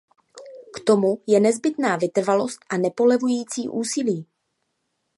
K tomu je nezbytná vytrvalost a nepolevující úsilí.